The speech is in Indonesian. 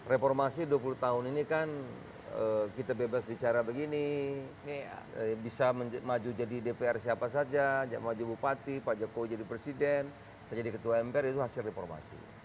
reformasi dua puluh tahun ini kan kita bebas bicara begini bisa maju jadi dpr siapa saja maju bupati pak jokowi jadi presiden saya jadi ketua mpr itu hasil reformasi